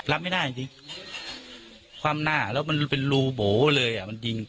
รับไม่ได้จริงความหน้าแล้วมันเป็นรูโบ๋เลยจริง